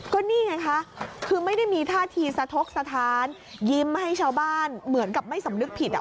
ก็นี่ไงคะคือไม่ได้มีท่าทีสะทกสถานยิ้มให้ชาวบ้านเหมือนกับไม่สำนึกผิดอ่ะ